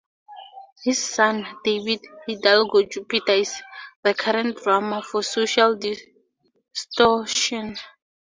His son, David Hidalgo Junior is the current drummer for Social Distortion.